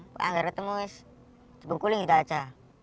kalau nggak ketemu dibukulin gitu aja